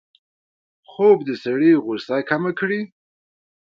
خوب د سړي غوسه کمه کړي